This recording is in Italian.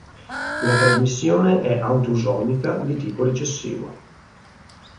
La trasmissione è autosomica di tipo recessivo.